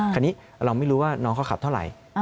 คราวนี้เราไม่รู้ว่าน้องเขาขับเท่าไหร่